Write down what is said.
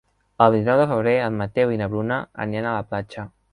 El vint-i-nou de febrer en Mateu i na Bruna aniran a la platja.